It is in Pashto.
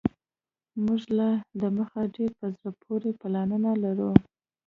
موږ لا دمخه ډیر په زړه پوري پلانونه لرو